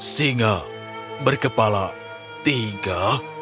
singa berkepala tiga